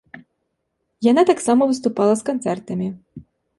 Яна таксама выступала з канцэртамі.